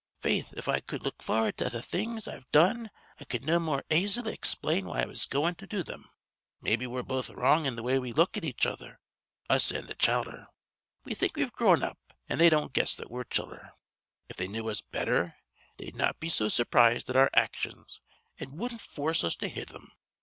Faith, if I cud look for'ard to th' things I've done I cud no more aisily explain why I was goin' to do thim. Maybe we're both wrong in the way we look at each other us an' th' childher. We think we've grown up an' they don't guess that we're childher. If they knew us betther they'd not be so surprised at our actions an' wudden't foorce us to hit thim.